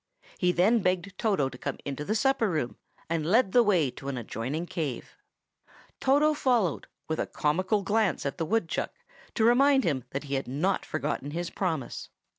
He then begged Toto to come into the supper room, and led the way to an adjoining cave. Toto followed, with a comical glance at the woodchuck, to remind him that he had not forgotten his promise.